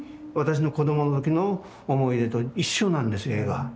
私の子どもの時の思い出と一緒なんです絵が。